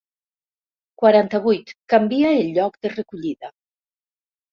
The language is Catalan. Quaranta-vuit canvia el lloc de recollida.